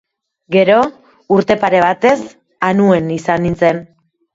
Gero, urte pare batez Anuen izan nintzen.